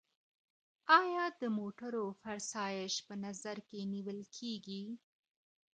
ایا د موټرو فرسایش په نظر کي نیول کیږي؟